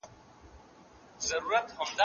سږکال هوا د چکر لپاره برابره ده.